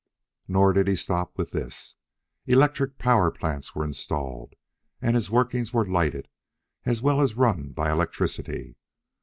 Nor did he stop with this. Electric power plants were installed, and his workings were lighted as well as run by electricity.